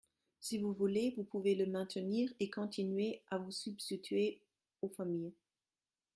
Si vous voulez, vous pouvez le maintenir et continuer à vous substituer aux familles.